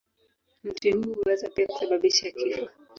Mti huu huweza pia kusababisha kifo.